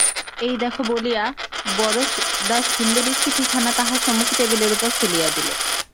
এই দেখো বলিয়া বরদাসুন্দরী চিঠিখানা তাঁহার সম্মুখে টেবিলের উপর ফেলিয়া দিলেন।